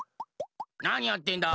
なにやってんだ？